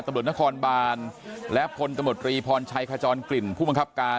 ตำรวจนครบานและพลตำรวจรีพรชัยขจรกลิ่นผู้บังคับการ